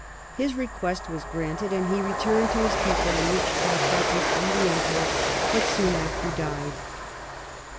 His request was granted, and he returned to his people enriched by presents from the emperor, but soon after died.